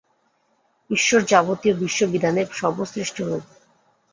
ঈশ্বর যাবতীয় বিশ্ব-বিধানের সর্বশ্রেষ্ঠ রূপ।